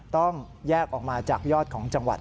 ต้องแยกออกมาจากยอดของจังหวัด